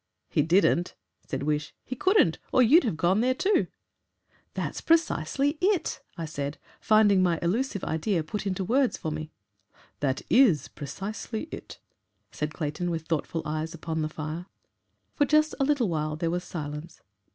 "He didn't," said Wish; "he couldn't. Or you'd have gone there too." "That's precisely it," I said, finding my elusive idea put into words for me. "That IS precisely it," said Clayton, with thoughtful eyes upon the fire. For just a little while there was silence.